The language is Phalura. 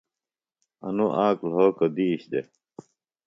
انوۡ آک لھوکوۡ دِیش دےۡ